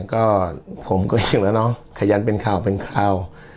ก็ผมก็เห็นแล้วเนาะขยันเป็นข่าวเป็นข่าว